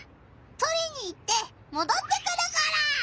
とりに行ってもどってくるから！